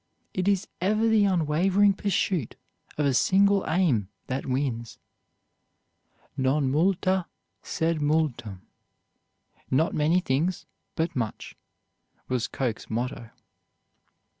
It is ever the unwavering pursuit of a single aim that wins. "Non multa, sed multum" not many things, but much, was Coke's motto.